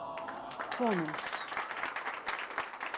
Tzonums.